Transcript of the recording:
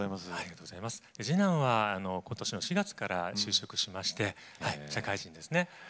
次男は、ことしの４月から就職しまして社会人です。